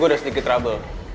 gue udah sedikit trouble